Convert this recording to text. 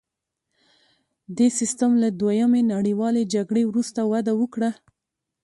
دې سیستم له دویمې نړیوالې جګړې وروسته وده وکړه